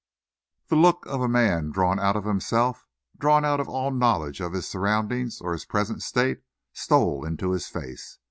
The look of a man drawn out of himself, drawn out of all knowledge of his surroundings or his present state, stole into his face.